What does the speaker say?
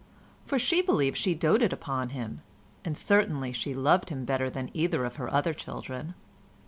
for she believed she doted upon him, and certainly she loved him better than either of her other children.